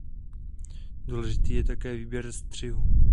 Důležitý je také výběr střihu.